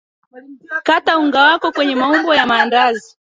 kata unga wako kwenye maumbo ya maandazi